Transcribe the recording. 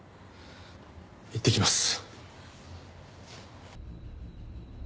行ってきます。